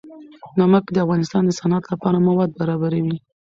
نمک د افغانستان د صنعت لپاره مواد برابروي.